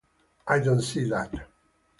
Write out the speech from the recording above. I don’t see that.